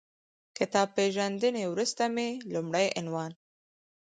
کتاب پېژندنې وروسته مې لومړی عنوان